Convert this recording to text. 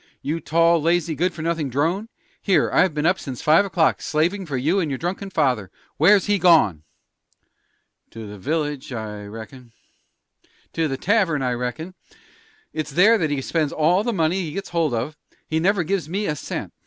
"You tall, lazy, good for nothing drone! Here I've been up since five o'clock, slavin' for you and your drunken father. Where's he gone?" "To the village, I reckon." "To the tavern, I reckon. It's there that he spends all the money he gets hold of; he never gives me a cent.